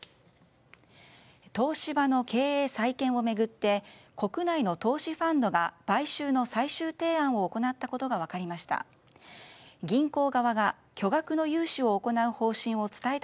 東芝の経営再建を巡って国内の投資ファンドが買収の最終提案を行ったことが分かりました。